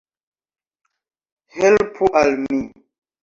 Helpu al mi.